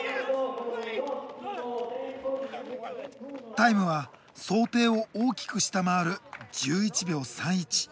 タイムは想定を大きく下回る１１秒３１。